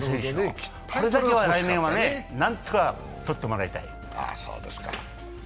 それだけは来年は何とか取ってもらいたい。